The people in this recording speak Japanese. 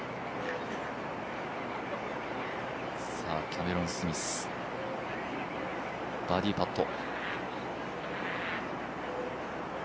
キャメロン・スミス、バーディーパット。